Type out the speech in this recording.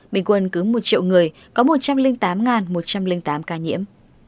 bình quân cứ một triệu người có một trăm linh tám một trăm linh tám ca nhiễm